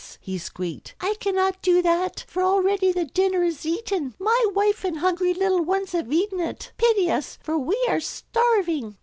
he squeaked, "I cannot do that, for already the dinner is eaten. My wife and hungry little ones have eaten it. Pity us, for we were starving!"